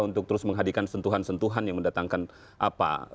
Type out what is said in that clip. untuk terus menghadirkan sentuhan sentuhan yang mendatangkan apa